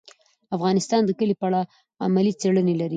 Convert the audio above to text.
افغانستان د کلي په اړه علمي څېړنې لري.